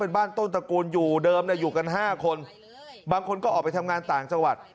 เป็นบ้านต้นตระกูลอยู่เดิมอยู่กัน๕คนบางคนก็ออกไปทำงานต่างจังหวัด